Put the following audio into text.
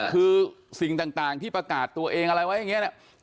คือสิ่งต่างที่ประกาศตัวเองอะไรไว้อย่างนี้เนี่ย